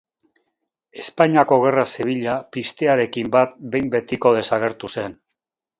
Espainiako Gerra Zibila piztearekin bat behin-betiko desagertu zen.